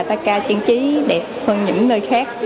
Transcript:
taka chiến trí đẹp hơn những nơi khác